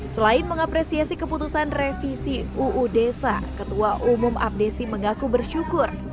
selain mengapresiasi keputusan revisi uu desa ketua umum abdesi mengaku bersyukur